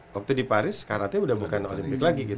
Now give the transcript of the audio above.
waktu di paris karate udah bukan olympic lagi